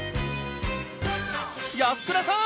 安倉さん